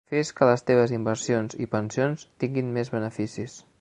Fes que les teves inversions i pensions tinguin més beneficis.